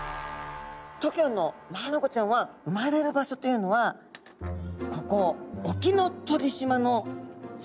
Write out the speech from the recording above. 東京湾のマアナゴちゃんは産まれる場所というのはここ沖ノ鳥島の更に南なんですね。